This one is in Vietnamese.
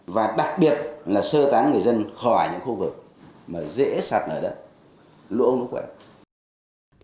và đặc biệt là sơ tán người dân khỏi những khu vực mà dễ sạt lở đất lũ ống lũ quẹt